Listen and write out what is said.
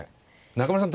中村さん